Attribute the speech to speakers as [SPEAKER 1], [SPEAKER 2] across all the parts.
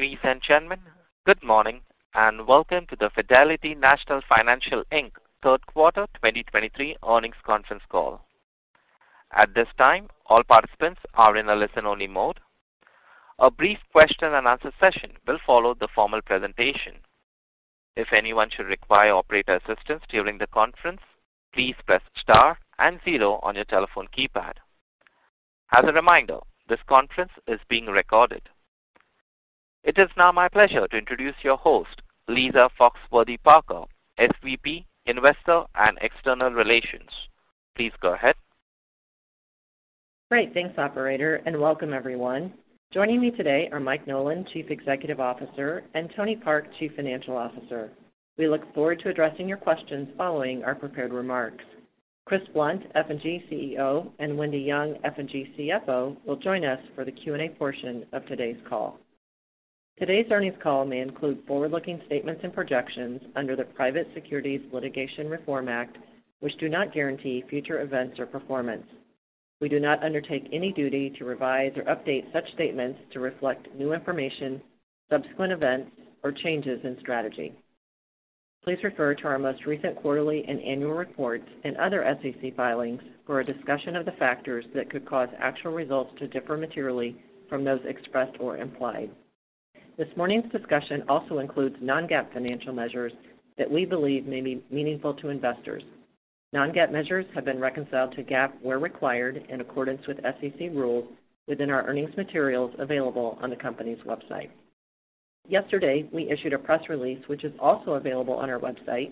[SPEAKER 1] Ladies and gentlemen, good morning, and welcome to the Fidelity National Financial, Inc. Third Quarter 2023 Earnings Conference Call. At this time, all participants are in a listen-only mode. A brief question-and-answer session will follow the formal presentation. If anyone should require operator assistance during the conference, please press star and zero on your telephone keypad. As a reminder, this conference is being recorded. It is now my pleasure to introduce your host, Lisa Foxworthy-Parker, SVP, Investor and External Relations. Please go ahead.
[SPEAKER 2] Great. Thanks, operator, and welcome everyone. Joining me today are Mike Nolan, Chief Executive Officer, and Tony Park, Chief Financial Officer. We look forward to addressing your questions following our prepared remarks. Chris Blunt, F&G CEO, and Wendy Young, F&G CFO, will join us for the Q&A portion of today's call. Today's earnings call may include forward-looking statements and projections under the Private Securities Litigation Reform Act, which do not guarantee future events or performance. We do not undertake any duty to revise or update such statements to reflect new information, subsequent events, or changes in strategy. Please refer to our most recent quarterly and annual reports and other SEC filings for a discussion of the factors that could cause actual results to differ materially from those expressed or implied. This morning's discussion also includes non-GAAP financial measures that we believe may be meaningful to investors. Non-GAAP measures have been reconciled to GAAP where required in accordance with SEC rules within our earnings materials available on the company's website. Yesterday, we issued a press release, which is also available on our website.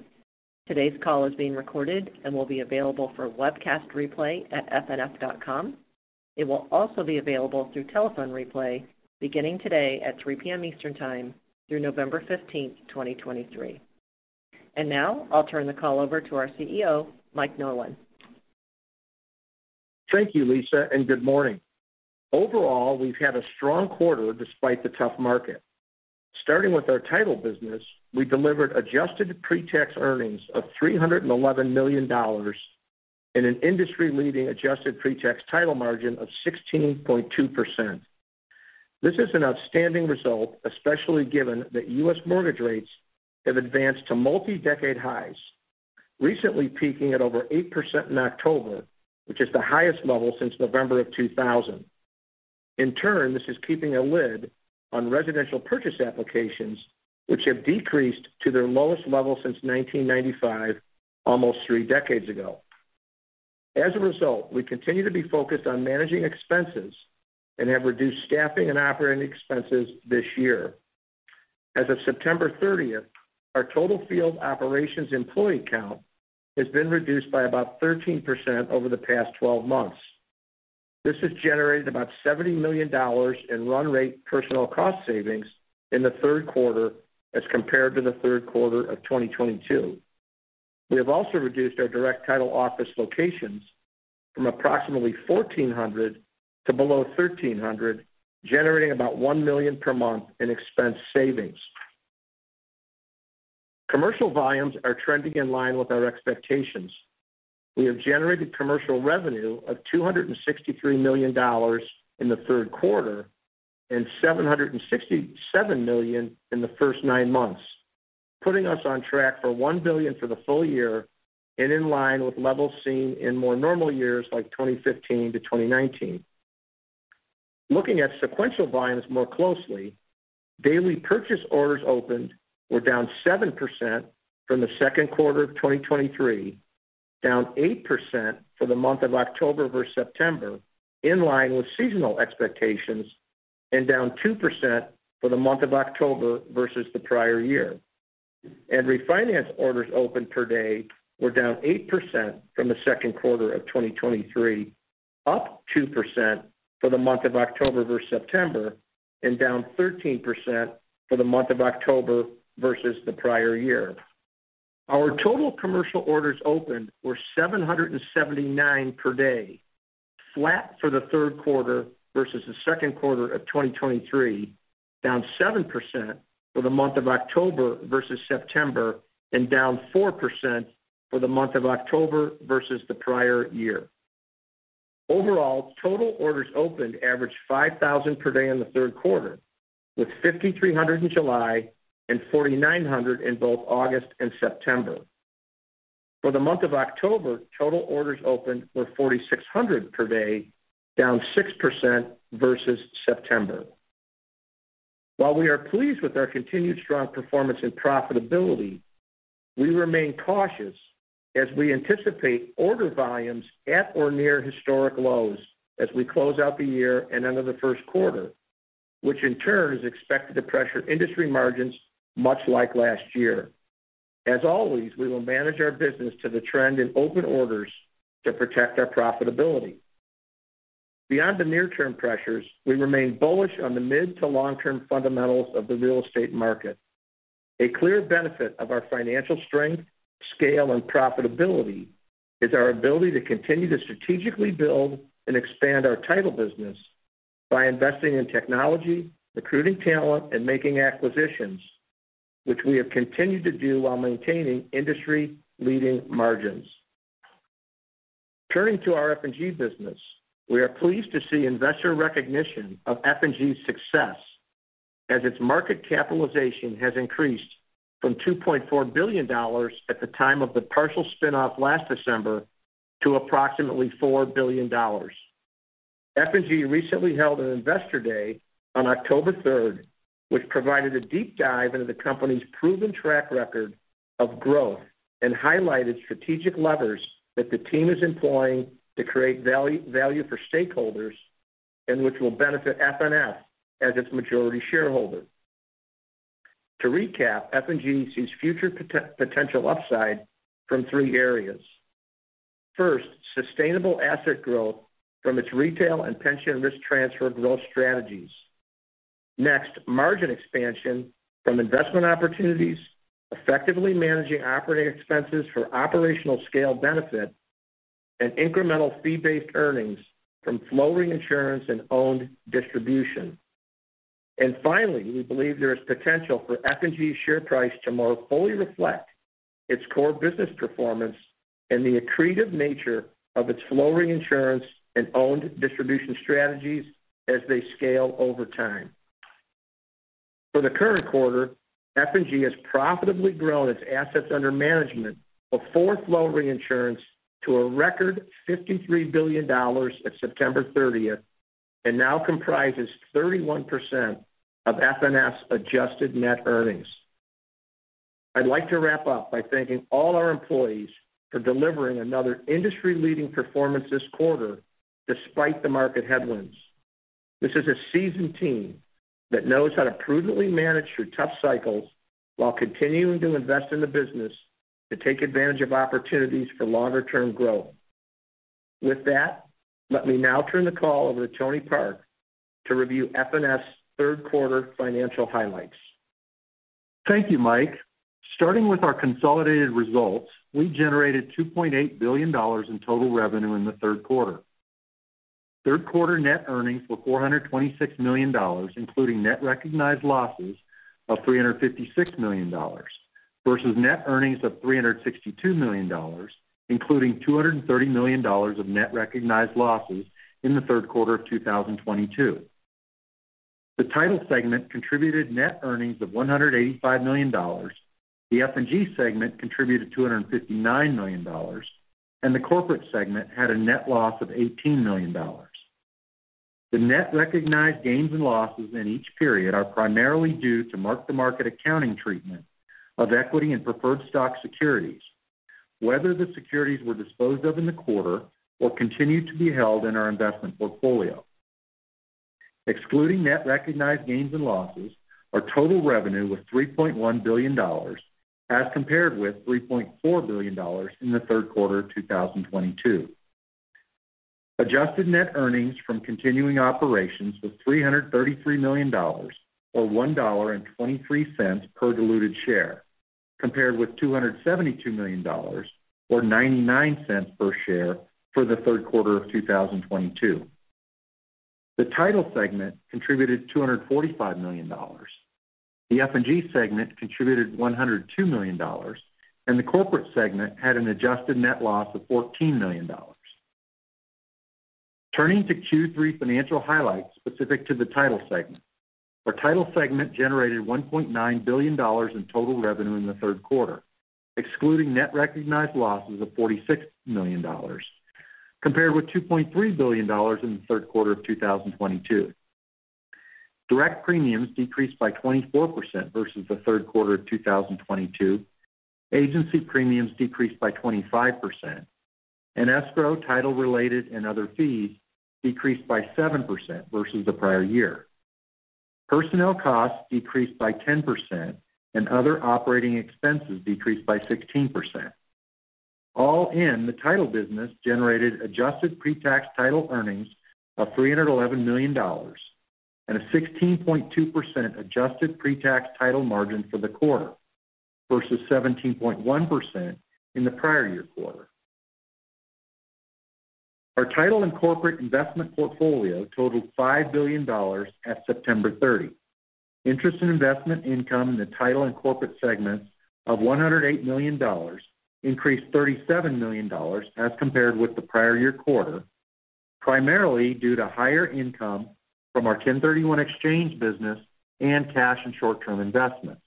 [SPEAKER 2] Today's call is being recorded and will be available for webcast replay at fnf.com. It will also be available through telephone replay beginning today at 3:00PM Eastern Time through November fifteenth, 2023. Now I'll turn the call over to our CEO, Mike Nolan.
[SPEAKER 3] Thank you, Lisa, and good morning. Overall, we've had a strong quarter despite the tough market. Starting with our title business, we delivered adjusted pre-tax earnings of $311 million and an industry-leading adjusted pre-tax title margin of 16.2%. This is an outstanding result, especially given that US mortgage rates have advanced to multi-decade highs, recently peaking at over 8% in October, which is the highest level since November of 2000. In turn, this is keeping a lid on residential purchase applications, which have decreased to their lowest level since 1995, almost three decades ago. As a result, we continue to be focused on managing expenses and have reduced staffing and operating expenses this year. As of September 30th, our total field operations employee count has been reduced by about 13% over the past twelve months. This has generated about $70 million in run rate personnel cost savings in the third quarter as compared to the third quarter of 2022. We have also reduced our direct title office locations from approximately 1,400 to below 1,300, generating about $1 million per month in expense savings. Commercial volumes are trending in line with our expectations. We have generated commercial revenue of $263 million in the third quarter and $767 million in the first nine months, putting us on track for $1 billion for the full year and in line with levels seen in more normal years like 2015 to 2019. Looking at sequential volumes more closely, daily purchase orders opened were down 7% from the second quarter of 2023, down 8% for the month of October versus September, in line with seasonal expectations, and down 2% for the month of October versus the prior year. Refinance orders opened per day were down 8% from the second quarter of 2023, up 2% for the month of October versus September, and down 13% for the month of October versus the prior year. Our total commercial orders opened were 779 per day, flat for the third quarter versus the second quarter of 2023, down 7% for the month of October versus September, and down 4% for the month of October versus the prior year. Overall, total orders opened averaged 5,000 per day in the third quarter, with 5,300 in July and 4,900 in both August and September. For the month of October, total orders opened were 4,600 per day, down 6% versus September. While we are pleased with our continued strong performance and profitability, we remain cautious as we anticipate order volumes at or near historic lows as we close out the year and into the first quarter, which in turn is expected to pressure industry margins much like last year. As always, we will manage our business to the trend in open orders to protect our profitability. Beyond the near-term pressures, we remain bullish on the mid to long-term fundamentals of the real estate market. A clear benefit of our financial strength, scale, and profitability is our ability to continue to strategically build and expand our title business by investing in technology, recruiting talent, and making acquisitions, which we have continued to do while maintaining industry-leading margins. Turning to our F&G business, we are pleased to see investor recognition of F&G's success as its market capitalization has increased from $2.4 billion at the time of the partial spin-off last December, to approximately $4 billion. F&G recently held an Investor Day on October third, which provided a deep dive into the company's proven track record of growth and highlighted strategic levers that the team is employing to create value, value for stakeholders and which will benefit FNF as its majority shareholder. To recap, F&G sees future potential upside from three areas. First, sustainable asset growth from its retail and pension risk transfer growth strategies. Next, margin expansion from investment opportunities, effectively managing operating expenses for operational scale benefit, and incremental fee-based earnings from flow reinsurance and owned distribution. Finally, we believe there is potential for F&G's share price to more fully reflect its core business performance and the accretive nature of its flow reinsurance and owned distribution strategies as they scale over time. For the current quarter, F&G has profitably grown its assets under management from flow reinsurance to a record $53 billion at September 30, and now comprises 31% of FNF's adjusted net earnings. I'd like to wrap up by thanking all our employees for delivering another industry-leading performance this quarter despite the market headwinds. This is a seasoned team that knows how to prudently manage through tough cycles while continuing to invest in the business to take advantage of opportunities for longer-term growth. With that, let me now turn the call over to Tony Park to review FNF's third quarter financial highlights.
[SPEAKER 4] Thank you, Mike. Starting with our consolidated results, we generated $2.8 billion in total revenue in the third quarter. Third quarter net earnings were $426 million, including net recognized losses of $356 million, versus net earnings of $362 million, including $230 million of net recognized losses in the third quarter of 2022. The Title segment contributed net earnings of $185 million. The F&G segment contributed $259 million, and the Corporate segment had a net loss of $18 million. The net recognized gains and losses in each period are primarily due to mark-to-market accounting treatment of equity and preferred stock securities, whether the securities were disposed of in the quarter or continued to be held in our investment portfolio. Excluding net recognized gains and losses, our total revenue was $3.1 billion, as compared with $3.4 billion in the third quarter of 2022. Adjusted net earnings from continuing operations was $333 million, or $1.23 per diluted share, compared with $272 million, or $0.99 per share for the third quarter of 2022. The Title segment contributed $245 million, the F&G segment contributed $102 million, and the Corporate segment had an adjusted net loss of $14 million. Turning to Q3 financial highlights specific to the Title segment. Our Title segment generated $1.9 billion in total revenue in the third quarter, excluding net recognized losses of $46 million, compared with $2.3 billion in the third quarter of 2022. Direct premiums decreased by 24% versus the third quarter of 2022. Agency premiums decreased by 25%, and escrow, title-related, and other fees decreased by 7% versus the prior year. Personnel costs decreased by 10%, and other operating expenses decreased by 16%. All in, the Title business generated adjusted pre-tax Title earnings of $311 million and a 16.2% adjusted pre-tax Title margin for the quarter, versus 17.1% in the prior year quarter. Our Title and Corporate investment portfolio totaled $5 billion at September 30. Interest and investment income in the Title and Corporate segments of $108 million increased $37 million as compared with the prior year quarter, primarily due to higher income from our 1031 exchange business and cash and short-term investments.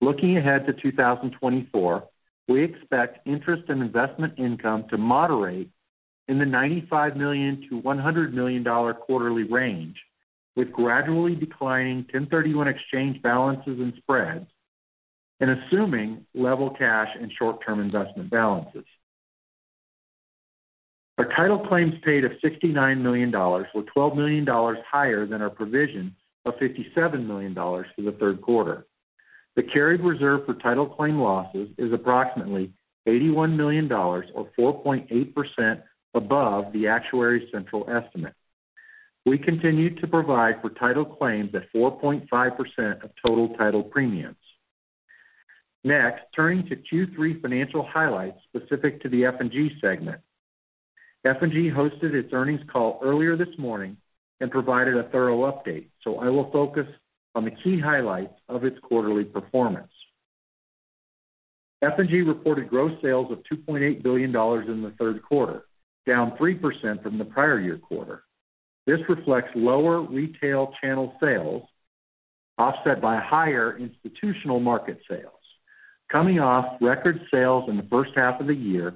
[SPEAKER 4] Looking ahead to 2024, we expect interest and investment income to moderate in the $95 million-$100 million quarterly range, with gradually declining 1031 exchange balances and spreads, and assuming level cash and short-term investment balances. Our title claims paid of $69 million were $12 million higher than our provision of $57 million for the third quarter. The carried reserve for title claim losses is approximately $81 million, or 4.8% above the actuary's central estimate. We continue to provide for title claims at 4.5% of total title premiums. Next, turning to Q3 financial highlights specific to the F&G segment. F&G hosted its earnings call earlier this morning and provided a thorough update, so I will focus on the key highlights of its quarterly performance. F&G reported gross sales of $2.8 billion in the third quarter, down 3% from the prior year quarter. This reflects lower retail channel sales, offset by higher institutional market sales. Coming off record sales in the first half of the year,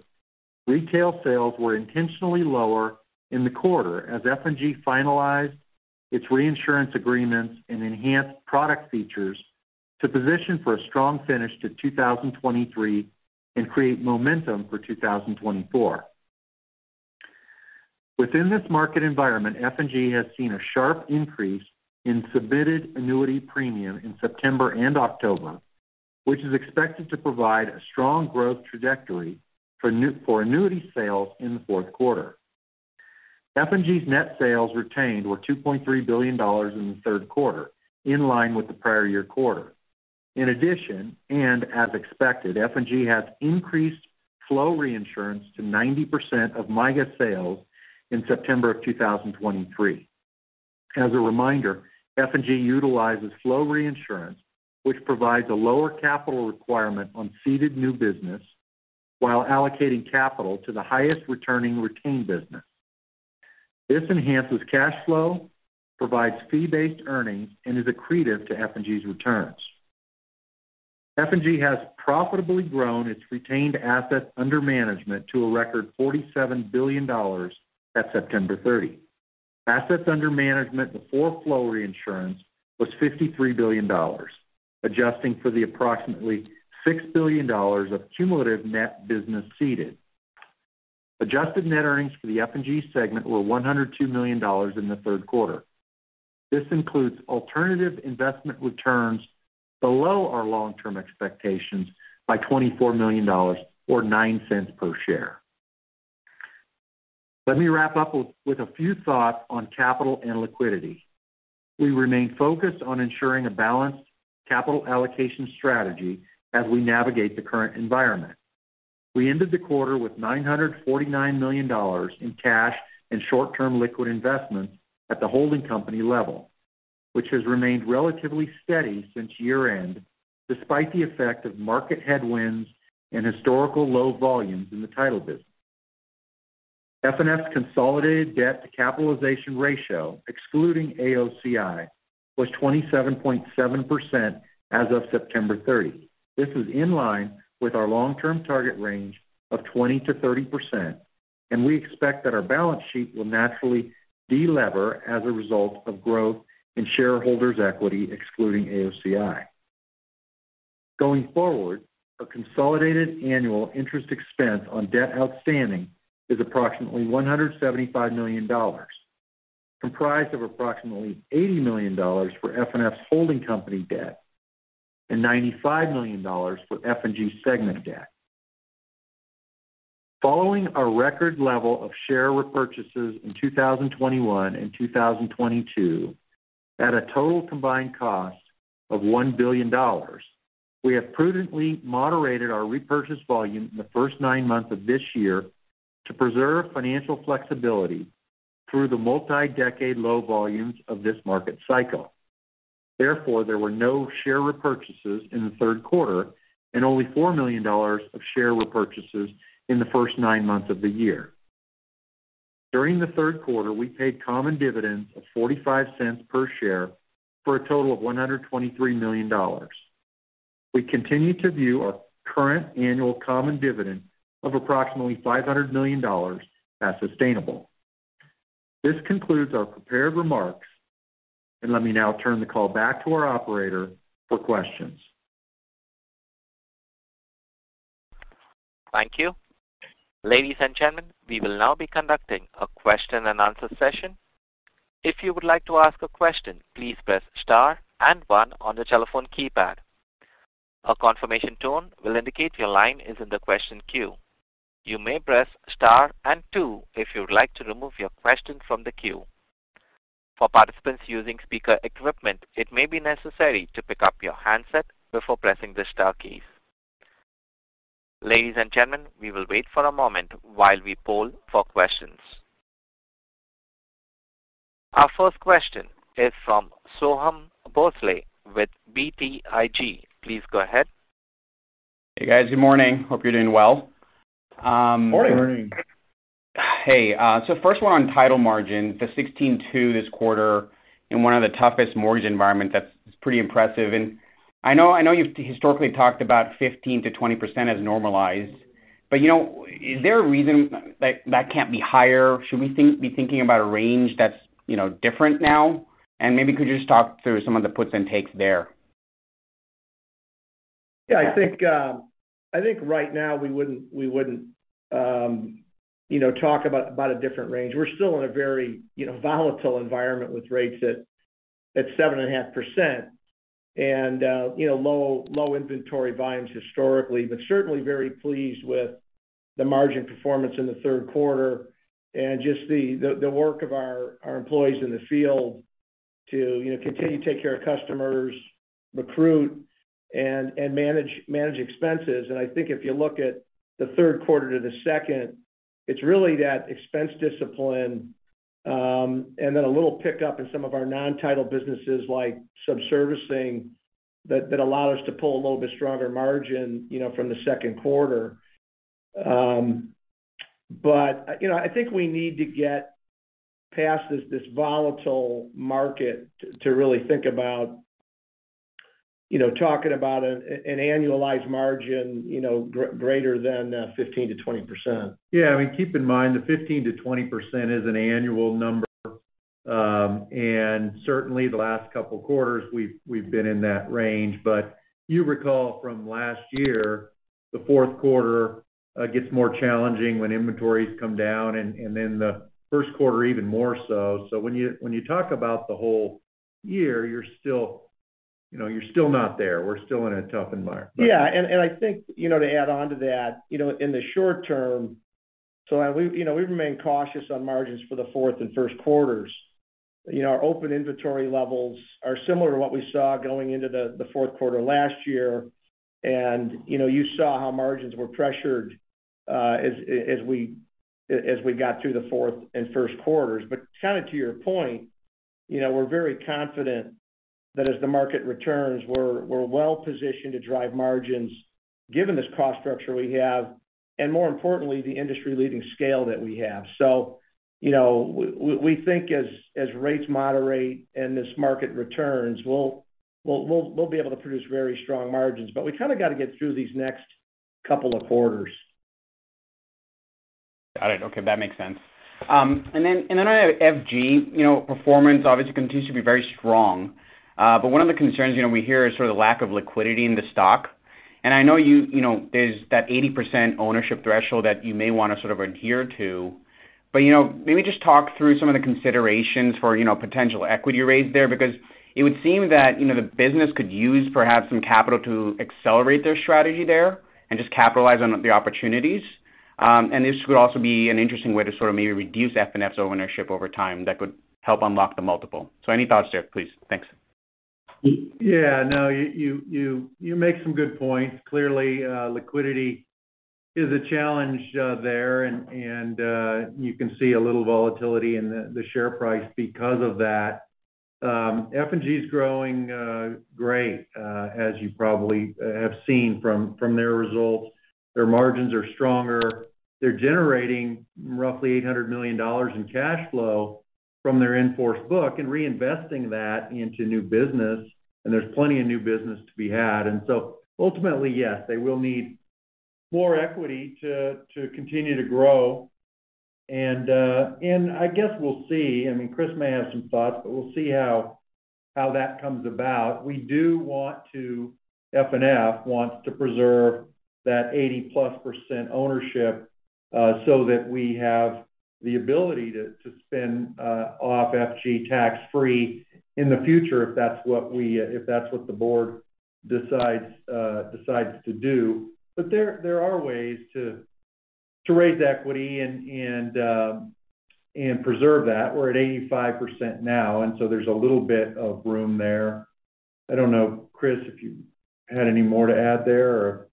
[SPEAKER 4] retail sales were intentionally lower in the quarter as F&G finalized its reinsurance agreements and enhanced product features to position for a strong finish to 2023 and create momentum for 2024. Within this market environment, F&G has seen a sharp increase in submitted annuity premium in September and October, which is expected to provide a strong growth trajectory for annuity sales in the fourth quarter. F&G's net sales retained were $2.3 billion in the third quarter, in line with the prior-year quarter. In addition, and as expected, F&G has increased flow reinsurance to 90% of MYGA sales in September 2023. As a reminder, F&G utilizes flow reinsurance, which provides a lower capital requirement on ceded new business while allocating capital to the highest returning retained business. This enhances cash flow, provides fee-based earnings, and is accretive to F&G's returns. F&G has profitably grown its retained assets under management to a record $47 billion at September 30. Assets under management before flow reinsurance was $53 billion, adjusting for the approximately $6 billion of cumulative net business ceded. Adjusted net earnings for the F&G segment were $102 million in the third quarter. This includes alternative investment returns below our long-term expectations by $24 million, or $0.09 per share. Let me wrap up with a few thoughts on capital and liquidity. We remain focused on ensuring a balanced capital allocation strategy as we navigate the current environment. We ended the quarter with $949 million in cash and short-term liquid investments at the holding company level, which has remained relatively steady since year-end, despite the effect of market headwinds and historical low volumes in the title business. FNF's consolidated debt to capitalization ratio, excluding AOCI, was 27.7% as of September 30. This is in line with our long-term target range of 20%-30%, and we expect that our balance sheet will naturally delever as a result of growth in shareholders' equity, excluding AOCI. Going forward, our consolidated annual interest expense on debt outstanding is approximately $175 million, comprised of approximately $80 million for FNF's holding company debt and $95 million for F&G segment debt. Following our record level of share repurchases in 2021 and 2022, at a total combined cost of $1 billion, we have prudently moderated our repurchase volume in the first nine months of this year to preserve financial flexibility through the multi-decade low volumes of this market cycle. Therefore, there were no share repurchases in the third quarter and only $4 million of share repurchases in the first 9 months of the year. During the third quarter, we paid common dividends of $0.45 per share for a total of $123 million. We continue to view our current annual common dividend of approximately $500 million as sustainable. This concludes our prepared remarks, and let me now turn the call back to our operator for questions.
[SPEAKER 1] Thank you. Ladies and gentlemen, we will now be conducting a question-and-answer session. If you would like to ask a question, please press star and one on the telephone keypad. A confirmation tone will indicate your line is in the question queue. You may press star and two if you would like to remove your question from the queue. For participants using speaker equipment, it may be necessary to pick up your handset before pressing the star key. Ladies and gentlemen, we will wait for a moment while we poll for questions. Our first question is from Soham Bhonsle with BTIG. Please go ahead.
[SPEAKER 5] Hey, guys. Good morning. Hope you're doing well.
[SPEAKER 4] Morning.
[SPEAKER 5] Hey, so first of all, on title margin, the 16.2 this quarter in one of the toughest mortgage environments, that's pretty impressive. And I know, I know you've historically talked about 15%-20% as normalized, but, you know, is there a reason that, that can't be higher? Should we be thinking about a range that's, you know, different now? And maybe could you just talk through some of the puts and takes there?
[SPEAKER 6] Yeah, I think, I think right now we wouldn't, we wouldn't, you know, talk about, about a different range. We're still in a very, you know, volatile environment with rates at, at 7.5% and, you know, low, low inventory volumes historically, but certainly very pleased with the margin performance in the third quarter and just the, the, the work of our, our employees in the field to, you know, continue to take care of customers, recruit and, and manage, manage expenses. And I think if you look at the third quarter to the second, it's really that expense discipline. And then a little pick up in some of our non-title businesses, like sub-servicing, that allow us to pull a little bit stronger margin, you know, from the second quarter. But, you know, I think we need to get past this volatile market to really think about, you know, talking about an annualized margin, you know, greater than 15%-20%.
[SPEAKER 4] Yeah. I mean, keep in mind, the 15%-20% is an annual number. And certainly, the last couple quarters, we've been in that range. But you recall from last year, the fourth quarter gets more challenging when inventories come down, and then the first quarter, even more so. So when you talk about the whole year, you're still, you know, you're still not there. We're still in a tough environment.
[SPEAKER 6] Yeah. And I think, you know, to add on to that, you know, in the short term, so we, you know, we remain cautious on margins for the fourth and first quarters. You know, our open inventory levels are similar to what we saw going into the fourth quarter last year. And, you know, you saw how margins were pressured as we got through the fourth and first quarters. But kind of to your point, you know, we're very confident that as the market returns, we're well positioned to drive margins given this cost structure we have, and more importantly, the industry-leading scale that we have. So, you know, we think as rates moderate and this market returns, we'll be able to produce very strong margins. But we kinda gotta get through these next couple of quarters.
[SPEAKER 5] All right. Okay, that makes sense. And then I know FG, you know, performance obviously continues to be very strong. But one of the concerns, you know, we hear is sort of the lack of liquidity in the stock. And I know you, you know, there's that 80% ownership threshold that you may wanna sort of adhere to, but, you know, maybe just talk through some of the considerations for, you know, potential equity raise there. Because it would seem that, you know, the business could use perhaps some capital to accelerate their strategy there and just capitalize on the opportunities. And this could also be an interesting way to sort of maybe reduce FNF's ownership over time that could help unlock the multiple. So any thoughts there, please? Thanks.
[SPEAKER 4] Yeah, no, you make some good points. Clearly, liquidity is a challenge there, and you can see a little volatility in the share price because of that. F&G is growing great, as you probably have seen from their results. Their margins are stronger. They're generating roughly $800 million in cash flow from their in-force book and reinvesting that into new business, and there's plenty of new business to be had. And so ultimately, yes, they will need more equity to continue to grow. And I guess we'll see. I mean, Chris may have some thoughts, but we'll see how that comes about. We do want to. FNF wants to preserve that 80+% ownership, so that we have the ability to spin off FG tax-free in the future, if that's what we, if that's what the board decides to do. But there are ways to raise equity and preserve that. We're at 85% now, and so there's a little bit of room there. I don't know, Chris, if you had any more to add there or?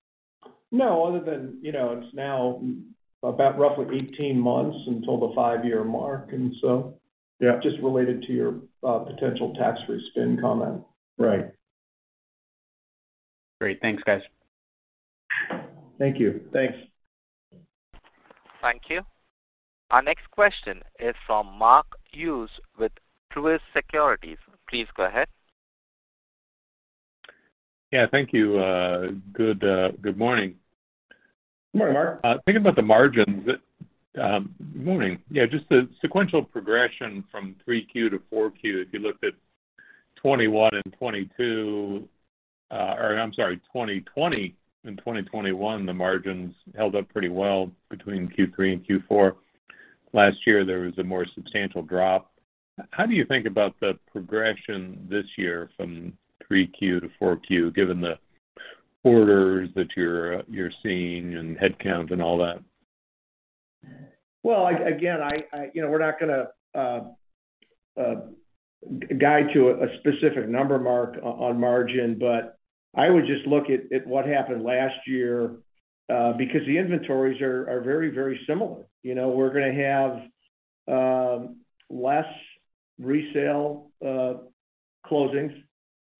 [SPEAKER 6] No, other than, you know, it's now about roughly 18 months until the five-year mark, and so-
[SPEAKER 4] Yeah...
[SPEAKER 6] just related to your, potential tax-free spin comment.
[SPEAKER 4] Right.
[SPEAKER 5] Great. Thanks, guys.
[SPEAKER 4] Thank you.
[SPEAKER 6] Thanks.
[SPEAKER 1] Thank you. Our next question is from Mark Hughes with Truist Securities. Please go ahead.
[SPEAKER 7] Yeah, thank you. Good, good morning.
[SPEAKER 4] Good morning, Mark.
[SPEAKER 7] Thinking about the margins. Good morning. Yeah, just the sequential progression from Q3 to Q4. If you looked at 2021 and 2022, or I'm sorry, 2020 and 2021, the margins held up pretty well between Q3 and Q4. Last year, there was a more substantial drop. How do you think about the progression this year from Q3 to Q4, given the orders that you're seeing, and headcount and all that?
[SPEAKER 6] Well, again, you know, we're not gonna guide to a specific number, Mark, on margin, but I would just look at what happened last year, because the inventories are very, very similar. You know, we're gonna have less resale closings,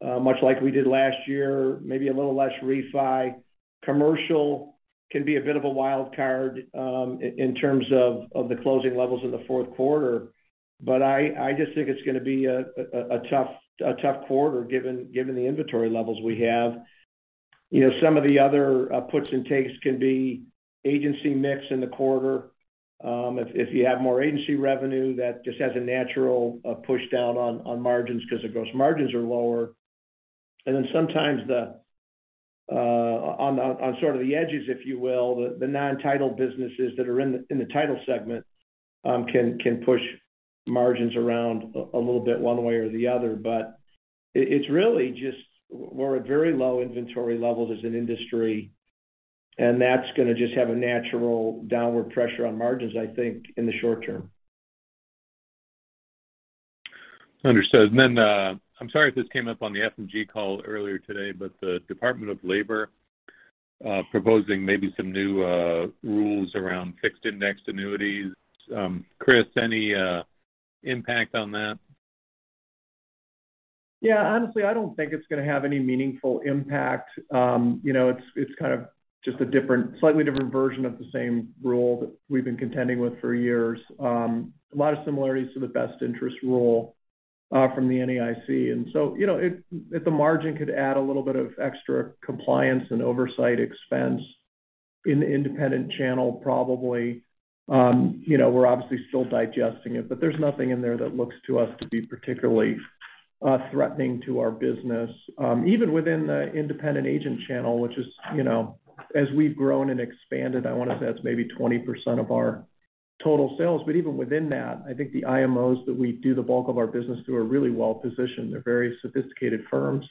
[SPEAKER 6] much like we did last year, maybe a little less refi. Commercial can be a bit of a wild card, in terms of the closing levels in the fourth quarter. But I just think it's gonna be a tough quarter, given the inventory levels we have. You know, some of the other puts and takes can be agency mix in the quarter. If you have more agency revenue, that just has a natural push down on margins because the gross margins are lower. Then sometimes on the edges, if you will, the non-title businesses that are in the title segment can push margins around a little bit, one way or the other. But it's really just we're at very low inventory levels as an industry, and that's gonna just have a natural downward pressure on margins, I think, in the short term.
[SPEAKER 7] Understood. And then, I'm sorry if this came up on the F&G call earlier today, but the Department of Labor proposing maybe some new rules around fixed indexed annuities. Chris, any impact on that?
[SPEAKER 6] Yeah, honestly, I don't think it's going to have any meaningful impact. You know, it's, it's kind of just a different, slightly different version of the same rule that we've been contending with for years. A lot of similarities to the best interest rule from the NAIC. And so, you know, it, at the margin, could add a little bit of extra compliance and oversight expense in the independent channel, probably. You know, we're obviously still digesting it, but there's nothing in there that looks to us to be particularly threatening to our business. Even within the independent agent channel, which is, you know, as we've grown and expanded, I want to say that's maybe 20% of our total sales. But even within that, I think the IMOs that we do the bulk of our business do are really well positioned. They're very sophisticated firms.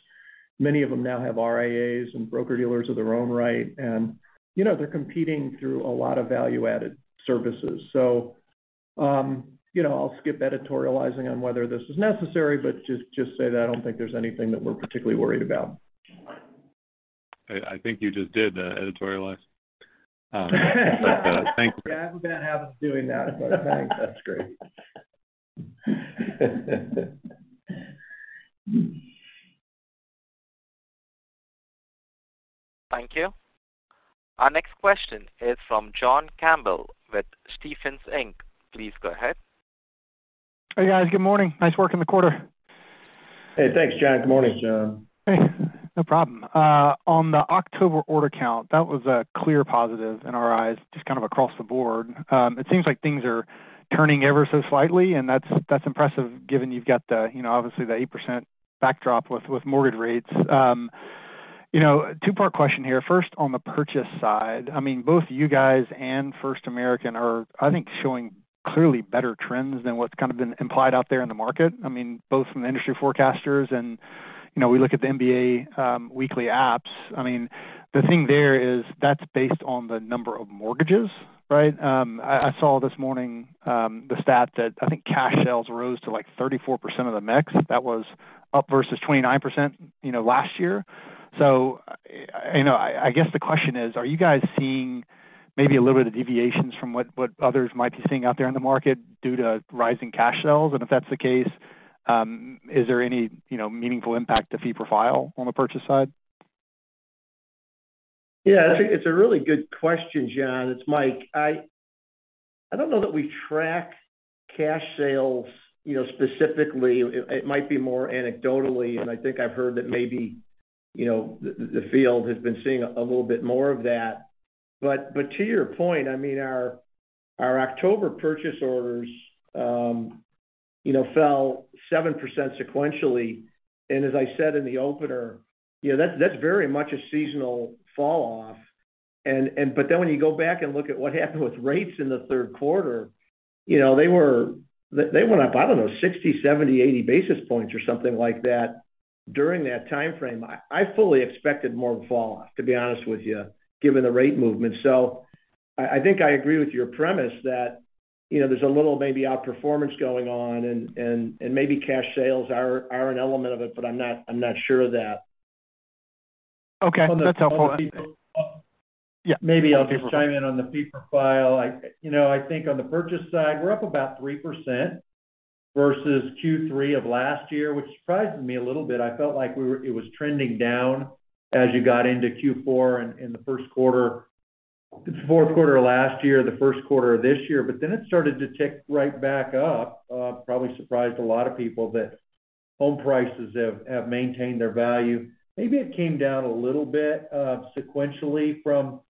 [SPEAKER 6] Many of them now have RIAs and broker-dealers of their own right, and, you know, they're competing through a lot of value-added services. So, you know, I'll skip editorializing on whether this is necessary, but just say that I don't think there's anything that we're particularly worried about.
[SPEAKER 7] I think you just did the editorialize. But thank you.
[SPEAKER 6] Yeah, I'm going to have us doing that, but thanks.
[SPEAKER 7] That's great.
[SPEAKER 1] Thank you. Our next question is from John Campbell with Stephens, Inc. Please go ahead.
[SPEAKER 8] Hey, guys. Good morning. Nice work in the quarter.
[SPEAKER 6] Hey, thanks, John. Good morning, John.
[SPEAKER 8] No problem. On the October order count, that was a clear positive in our eyes, just kind of across the board. It seems like things are turning ever so slightly, and that's, that's impressive, given you've got the, you know, obviously the 8% backdrop with, with mortgage rates. You know, two-part question here. First, on the purchase side, I mean, both you guys and First American are, I think, showing clearly better trends than what's kind of been implied out there in the market. I mean, both from the industry forecasters and, you know, we look at the MBA, weekly apps. I mean, the thing there is that's based on the number of mortgages, right? I saw this morning, the stat that I think cash sales rose to, like, 34% of the mix. That was up versus 29%, you know, last year. So, you know, I guess the question is: Are you guys seeing maybe a little bit of deviations from what others might be seeing out there in the market due to rising cash sales? And if that's the case, is there any, you know, meaningful impact to fee profile on the purchase side?
[SPEAKER 3] Yeah, I think it's a really good question, John. It's Mike. I don't know that we track cash sales, you know, specifically. It might be more anecdotally, and I think I've heard that maybe, you know, the field has been seeing a little bit more of that. But to your point, I mean, our October purchase orders, you know, fell 7% sequentially, and as I said in the opener, you know, that's very much a seasonal falloff. But then when you go back and look at what happened with rates in the third quarter, you know, they were... They went up, I don't know, 60, 70, 80 basis points or something like that during that time frame. I fully expected more of a falloff, to be honest with you, given the rate movement. So I think I agree with your premise that, you know, there's a little maybe outperformance going on, and maybe cash sales are an element of it, but I'm not sure of that.
[SPEAKER 8] Okay. That's helpful.
[SPEAKER 6] Yeah. Maybe I'll just chime in on the fee profile. You know, I think on the purchase side, we're up about 3% versus Q3 of last year, which surprises me a little bit. I felt like it was trending down as you got into Q4 and in the first quarter. It's the fourth quarter of last year, the first quarter of this year, but then it started to tick right back up. Probably surprised a lot of people that home prices have maintained their value. Maybe it came down a little bit, sequentially from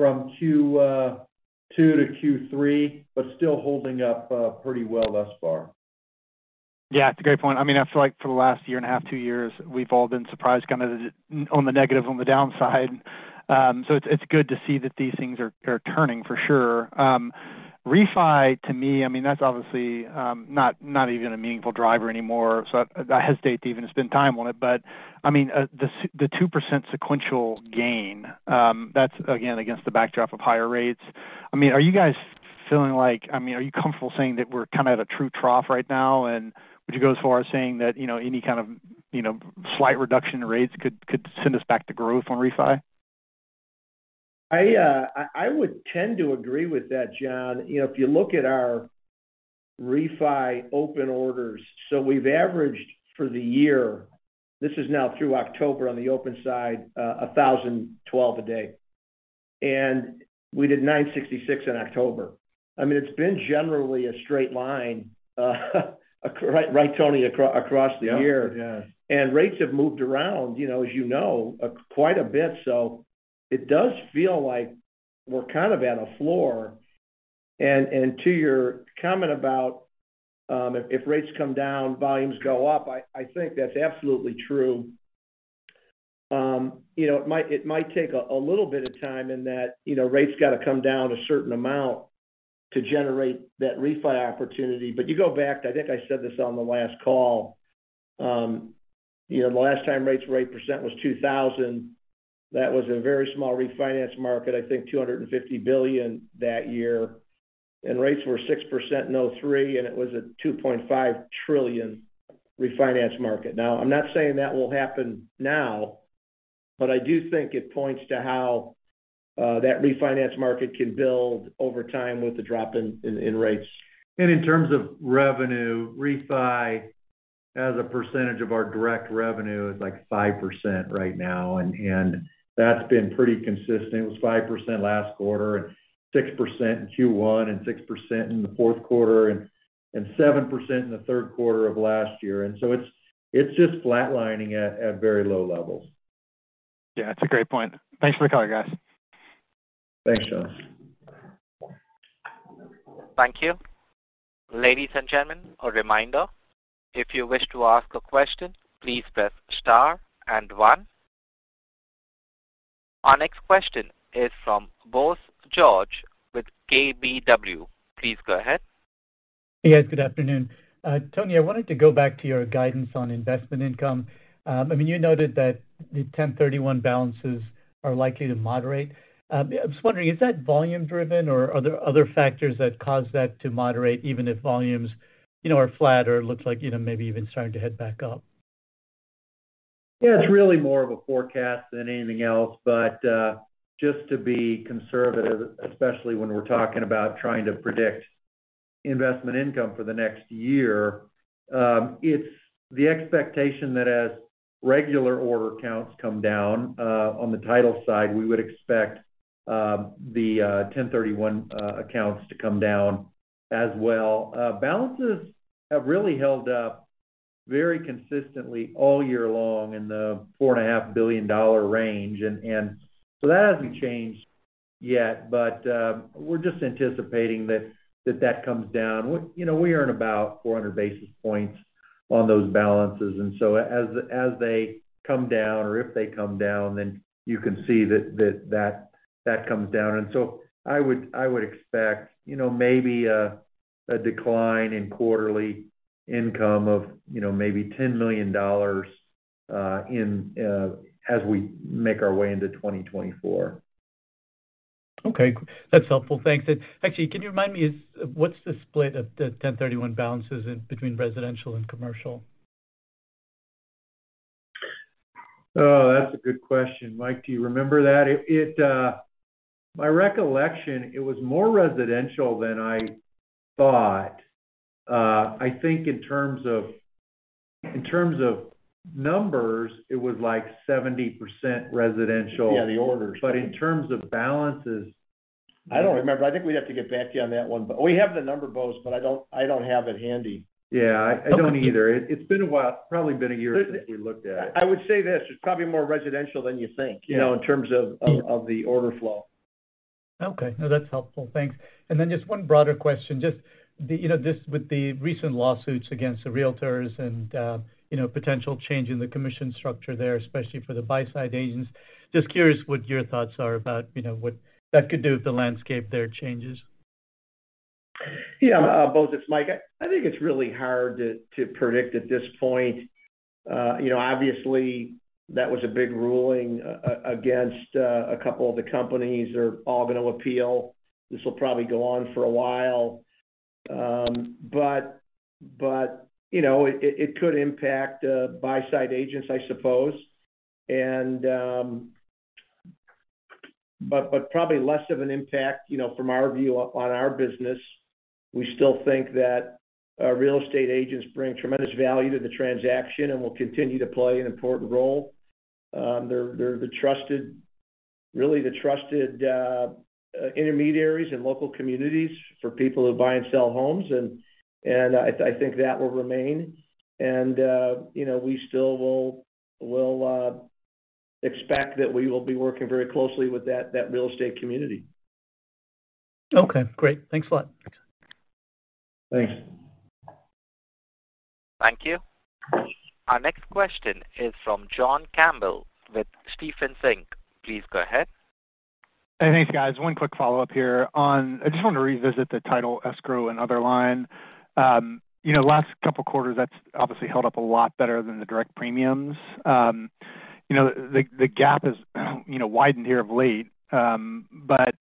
[SPEAKER 6] Q2 to Q3, but still holding up pretty well thus far.
[SPEAKER 8] Yeah, it's a great point. I mean, I feel like for the last year and a half, two years, we've all been surprised, kind of, on the negative, on the downside. So it's good to see that these things are turning for sure. Refi, to me, I mean, that's obviously not even a meaningful driver anymore, so I hesitate to even spend time on it. But, I mean, the 2% sequential gain, that's again, against the backdrop of higher rates. I mean, are you guys feeling like... I mean, are you comfortable saying that we're kind of at a true trough right now? And would you go as far as saying that, you know, any kind of, you know, slight reduction in rates could send us back to growth on refi?
[SPEAKER 3] I, I would tend to agree with that, John. You know, if you look at our refi open orders, so we've averaged for the year, this is now through October on the open side, 1,012 a day, and we did 966 in October. I mean, it's been generally a straight line, right, right, Tony, across the year.
[SPEAKER 4] Yeah.
[SPEAKER 3] Rates have moved around, you know, as you know, quite a bit. So it does feel like we're kind of at a floor. And to your comment about, if rates come down, volumes go up, I think that's absolutely true. You know, it might take a little bit of time, and that, you know, rates got to come down a certain amount to generate that refi opportunity. But you go back, I think I said this on the last call. You know, the last time rates were 8% was 2000. That was a very small refinance market, I think $250 billion that year. And rates were 6% in 2003, and it was a $2.5 trillion refinance market. Now, I'm not saying that will happen now, but I do think it points to how that refinance market can build over time with the drop in rates.
[SPEAKER 4] And in terms of revenue, refi, as a percentage of our direct revenue, is like 5% right now, and that's been pretty consistent. It was 5% last quarter, and 6% in Q1, and 6% in the fourth quarter, and 7% in the third quarter of last year. And so it's just flatlining at very low levels.
[SPEAKER 8] Yeah, that's a great point. Thanks for the call, guys.
[SPEAKER 4] Thanks, John.
[SPEAKER 1] Thank you. Ladies and gentlemen, a reminder, if you wish to ask a question, please press star and one. Our next question is from Bose George with KBW. Please go ahead.
[SPEAKER 9] Hey, guys. Good afternoon. Tony, I wanted to go back to your guidance on investment income. I mean, you noted that the 1031 balances are likely to moderate. I was wondering, is that volume-driven or are there other factors that cause that to moderate, even if volumes, you know, are flat or it looks like, you know, maybe even starting to head back up?
[SPEAKER 4] Yeah, it's really more of a forecast than anything else. But just to be conservative, especially when we're talking about trying to predict investment income for the next year, it's the expectation that as regular order counts come down on the title side, we would expect the 1031 accounts to come down as well. Balances have really held up very consistently all year long in the $4.5 billion range. And so that hasn't changed yet, but we're just anticipating that that comes down. You know, we earn about 400 basis points on those balances, and so as they come down or if they come down, then you can see that that comes down. So I would, I would expect, you know, maybe a decline in quarterly income of, you know, maybe $10 million as we make our way into 2024.
[SPEAKER 9] Okay. That's helpful. Thanks. And actually, can you remind me of, what's the split of the 1031 balances in between residential and commercial?
[SPEAKER 4] Oh, that's a good question. Mike, do you remember that? My recollection, it was more residential than I thought. I think in terms of numbers, it was like 70% residential.
[SPEAKER 3] Yeah, the orders.
[SPEAKER 4] But in terms of balances-
[SPEAKER 3] I don't remember. I think we'd have to get back to you on that one. But we have the number, Bose, but I don't, I don't have it handy.
[SPEAKER 4] Yeah, I, I don't either. It's been a while. It's probably been a year since we looked at it.
[SPEAKER 3] I would say this: It's probably more residential than you think-
[SPEAKER 4] Yeah...
[SPEAKER 3] you know, in terms of the order flow.
[SPEAKER 9] Okay. No, that's helpful. Thanks. And then just one broader question. Just the, you know, this, with the recent lawsuits against the Realtors and, you know, potential change in the commission structure there, especially for the buy-side agents, just curious what your thoughts are about, you know, what that could do if the landscape there changes.
[SPEAKER 3] Yeah, Bose, it's Mike. I think it's really hard to predict at this point. You know, obviously, that was a big ruling against a couple of the companies. They're all going to appeal. This will probably go on for a while. But you know, it could impact buy-side agents, I suppose. And but probably less of an impact, you know, from our view on our business. We still think that real estate agents bring tremendous value to the transaction and will continue to play an important role. They're the trusted—really, the trusted intermediaries in local communities for people who buy and sell homes, and I think that will remain. You know, we still will expect that we will be working very closely with that real estate community.
[SPEAKER 9] Okay, great. Thanks a lot.
[SPEAKER 3] Thanks.
[SPEAKER 1] Thank you. Our next question is from John Campbell with Stephens Inc. Please go ahead.
[SPEAKER 8] Hey, thanks, guys. One quick follow-up here on, I just want to revisit the title escrow and other line. You know, last couple of quarters, that's obviously held up a lot better than the direct premiums. You know, the gap has you know, widened here of late. But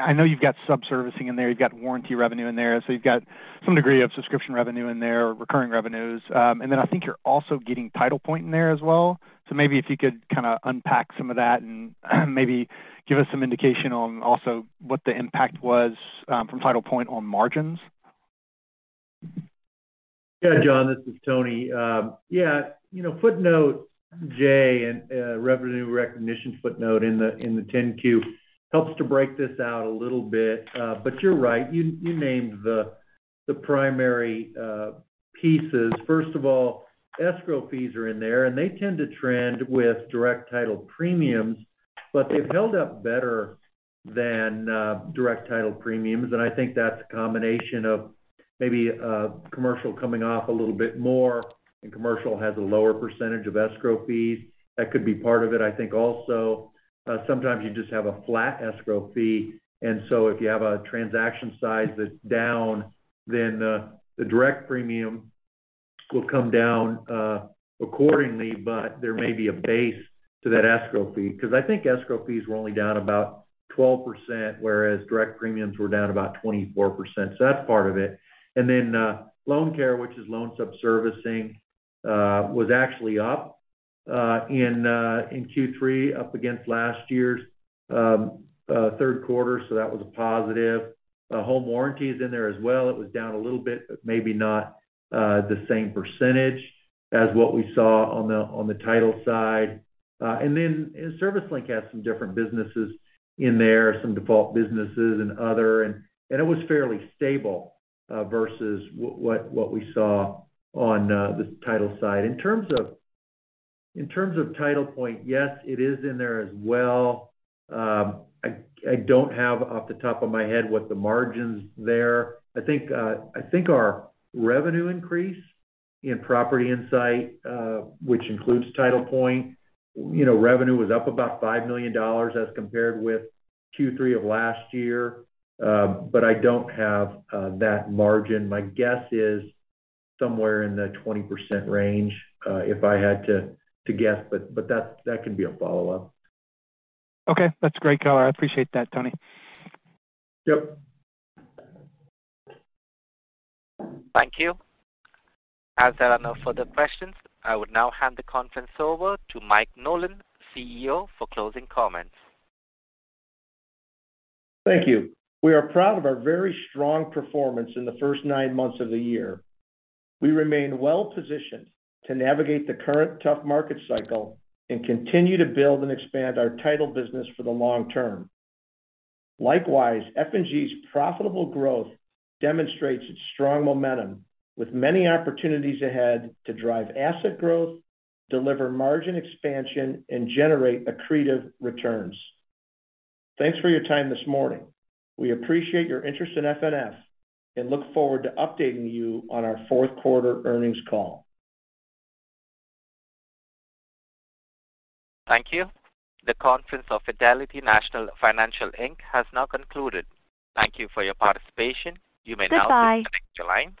[SPEAKER 8] I know you've got subservicing in there, you've got warranty revenue in there, so you've got some degree of subscription revenue in there or recurring revenues. And then I think you're also getting TitlePoint in there as well. So maybe if you could kind of unpack some of that and maybe give us some indication on also what the impact was from TitlePoint on margins.
[SPEAKER 4] Yeah, John, this is Tony. Yeah, you know, footnote J and revenue recognition footnote in the 10-Q helps to break this out a little bit. But you're right, you named the primary pieces. First of all, escrow fees are in there, and they tend to trend with direct title premiums, but they've held up better than direct title premiums. And I think that's a combination of maybe commercial coming off a little bit more, and commercial has a lower percentage of escrow fees. That could be part of it. I think also, sometimes you just have a flat escrow fee, and so if you have a transaction size that's down, then the direct premium will come down accordingly, but there may be a base to that escrow fee, because I think escrow fees were only down about 12%, whereas direct premiums were down about 24%. So that's part of it. And then, LoanCare, which is loan subservicing, was actually up in Q3, up against last year's third quarter, so that was a positive. Home warranty is in there as well. It was down a little bit, but maybe not the same percentage as what we saw on the title side. And then, ServiceLink has some different businesses in there, some default businesses and other, and it was fairly stable versus what we saw on the title side. In terms of TitlePoint, yes, it is in there as well. I don't have off the top of my head what the margins there. I think I think our revenue increase in Property Insight, which includes TitlePoint, you know, revenue was up about $5 million as compared with Q3 of last year. But I don't have that margin. My guess is somewhere in the 20% range, if I had to guess, but that can be a follow-up.
[SPEAKER 7] Okay, that's great, color. I appreciate that, Tony.
[SPEAKER 4] Yep.
[SPEAKER 1] Thank you. As there are no further questions, I would now hand the conference over to Mike Nolan, CEO, for closing comments.
[SPEAKER 3] Thank you. We are proud of our very strong performance in the first nine months of the year. We remain well positioned to navigate the current tough market cycle and continue to build and expand our title business for the long term. Likewise, F&G's profitable growth demonstrates its strong momentum, with many opportunities ahead to drive asset growth, deliver margin expansion, and generate accretive returns. Thanks for your time this morning. We appreciate your interest in FNF and look forward to updating you on our fourth quarter earnings call.
[SPEAKER 1] Thank you. The conference of Fidelity National Financial, Inc. has now concluded. Thank you for your participation. You may now disconnect your line.